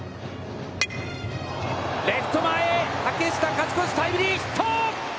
レフト前、嶽下勝ち越しタイムリーヒット！